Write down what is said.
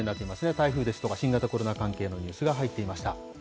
台風ですとか、新型コロナ関係のニュースが入っていました。